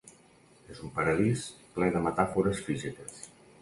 És un Paradís ple de metàfores físiques.